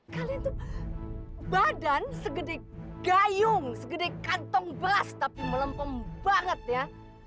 kalian tuh badan segede gayung segede kantong beras tapi melempar banget ya